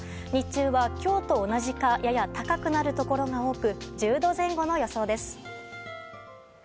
日中はきょうと同じか、やや高くなる所が多く、１０度前後の予想です。